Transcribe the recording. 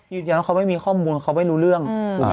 หยุดยังเนี้ยเขาไม่มีข้อมูลเขาไม่รู้เรื่องไหมคะ